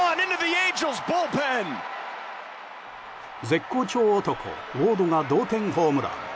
絶好調男、ウォードが同点ホームラン。